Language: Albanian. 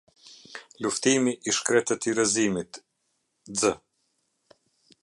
Luftimi i shkretëtirëzimit x.